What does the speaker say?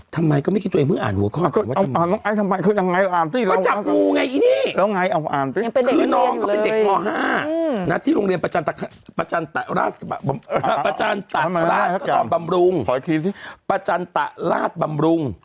ปราจันตระราชบำรุง